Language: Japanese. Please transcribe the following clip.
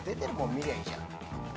見りゃいいじゃん。